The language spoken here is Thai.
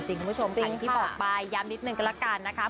ผู้ชมที่ปอกไปยันแปลกนะกะเพื่อใคร